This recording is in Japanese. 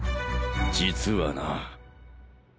実はな。